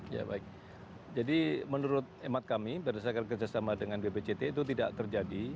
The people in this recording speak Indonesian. ya baik jadi menurut emat kami berdasarkan kerjasama dengan bpjt itu tidak terjadi